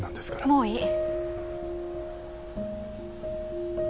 もういい！